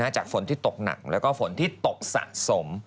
จากฝนที่ตกหนักแล้วก็ฝนที่ตกสะสม